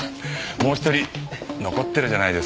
もう１人残ってるじゃないですか。